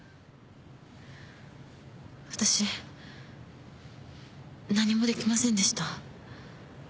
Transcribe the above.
私何もできませんでした。